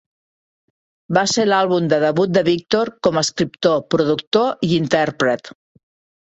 Va ser l'àlbum de debut de Victor com a escriptor, productor i intèrpret.